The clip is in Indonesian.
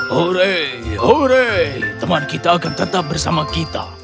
hore hore teman kita akan tetap bersama kita